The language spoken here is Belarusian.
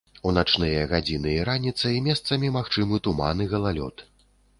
У начныя гадзіны і раніцай месцамі магчымы туман і галалёд.